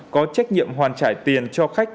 có trách nhiệm hoàn trải tiền cho khách